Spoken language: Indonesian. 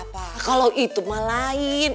papa kalau itu mah lain